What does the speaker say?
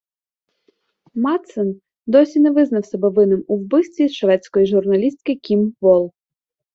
Мадсен досі не визнав себе винним у вбивстві шведської журналістки Кім Волл.